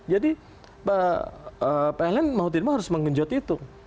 jadi pln mautidma harus mengenjot itu